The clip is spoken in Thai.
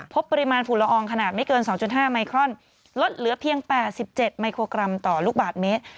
พบปริมาณฝุ่นละอองขนาดไม่เกิน๒๕ไมครอนลดเหลือเพียง๘๗มิโครกรัมต่อลูกบาทเมตร